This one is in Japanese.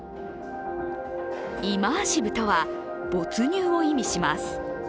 イマーシブとは、没入を意味します